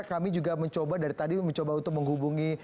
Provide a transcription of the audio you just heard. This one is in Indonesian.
kami juga mencoba dari tadi mencoba untuk menghubungi